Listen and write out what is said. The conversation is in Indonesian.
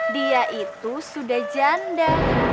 dia itu sudah janda